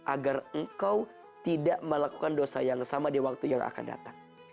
agar engkau tidak melakukan dosa yang sama di waktu yang akan datang